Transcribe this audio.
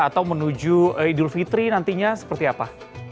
atau menuju idul fitri nantinya seperti apa